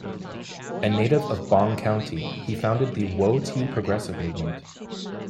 A native of Bong County, he founded the Woah-Tee Progressive Movement.